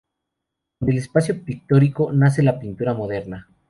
Con el espacio pictórico nace la pintura moderna.